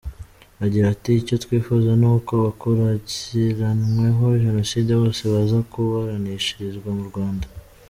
Agira ati : "Icyo twifuza ni uko abakurikiranweho jenoside bose baza kuburanishirizwa mu Rwanda.